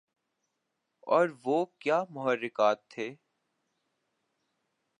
اور وہ کیا محرکات تھے